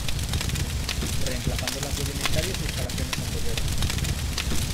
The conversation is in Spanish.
Reemplazando las rudimentarias instalaciones anteriores.